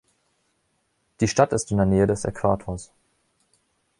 Die Stadt ist in der Nähe des Äquators.